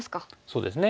そうですね。